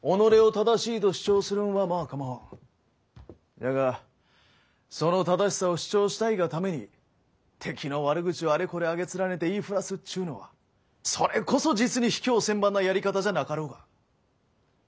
じゃがその正しさを主張したいがために敵の悪口をあれこれ挙げ連ねて言い触らすっちゅうのはそれこそ実に卑怯千万なやり方じゃなかろうか。